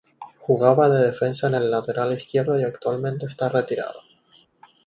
Jugaba de defensa en el lateral izquierdo y actualmente está retirado.